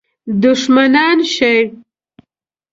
دښمنان شي.